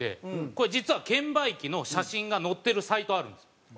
これ実は券売機の写真が載ってるサイトあるんですよ。